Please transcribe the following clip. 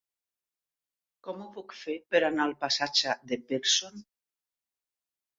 Com ho puc fer per anar al passatge de Pearson?